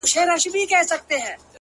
مُلا سړی سو په خپل وعظ کي نجلۍ ته ويل ـ